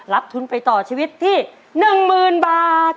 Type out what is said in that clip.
ทุนไปต่อชีวิตที่๑๐๐๐บาท